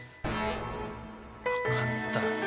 分かったよ。